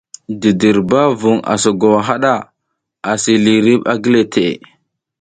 Didirba vung asa gowa haɗa, asi lihiriɗ a gile teʼe.